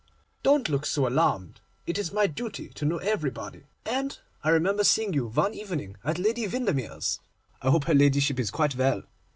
'Don't look so alarmed, it is my duty to know everybody, and I remember seeing you one evening at Lady Windermere's. I hope her ladyship is quite well.